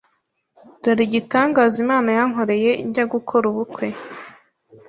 Dore igitangaza Imana yankoreye njya gukora ubukwe: